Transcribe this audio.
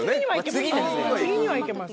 次にはいけます